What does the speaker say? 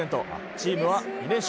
チームは２連勝。